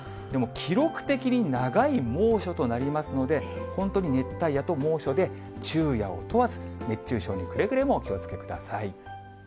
記録的に長い猛暑となりますので、本当に熱帯夜と猛暑で、昼夜を問わず、熱中症にくれぐれもお気をつけください。